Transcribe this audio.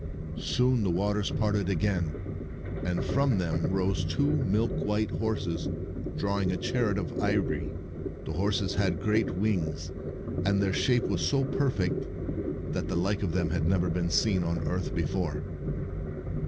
Soon the waters parted again, and from them rose two milk white horses drawing a chariot of ivory. The horses had great wings, and their shape was so perfect that the like of them had never been seen on earth before.